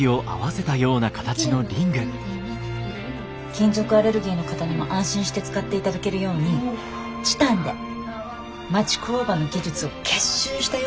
金属アレルギーの方にも安心して使っていただけるようにチタンで町工場の技術を結集したような。